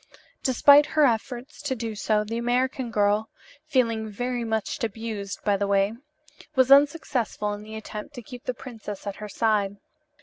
Despite her efforts to do so, the American girl (feeling very much abused, by the way), was unsuccessful in the attempt to keep the princess at her side.